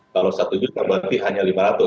kalau satu juta berarti hanya lima ratus